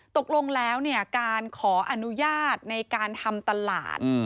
ตกลงแล้วการขออนุญาตในการทำตลาด